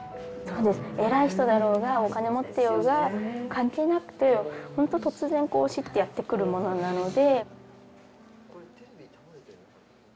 偉い人だろうがお金持ってようが関係なくてほんと突然死ってやって来るものなので。